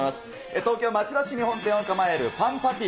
東京・町田市に本店を構える、パンパティ。